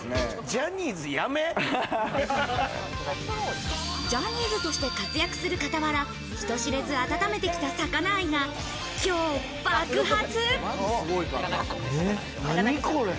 ジャニーズとして活躍するかたわら、人知れず温めてきた魚愛が今日爆発。